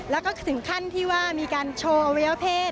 แล้วก็ถึงขั้นที่ว่ามีการโชว์อวัยวะเพศ